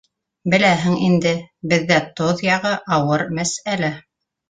Беләһең инде, беҙҙә тоҙ яғы ауыр мәсьәлә.